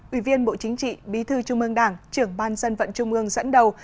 ủy viên bộ chính trị bí thư trung ương đảng trưởng ban dân vận trung ương dẫn đầu